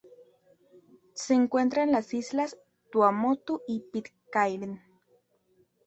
Se encuentra en las islas Tuamotu y Pitcairn.